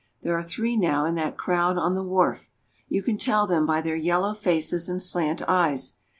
There are three now in that crowd on the wharf ! You can tell them by their yellow faces and slant eyes.